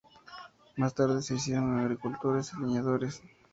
Más tarde se hicieron agricultores y leñadores.